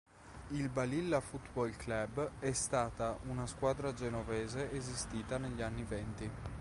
Il Balilla Football Club è stata una squadra genovese esistita negli anni venti.